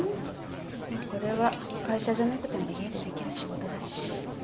まぁこれは会社じゃなくても家でできる仕事だし。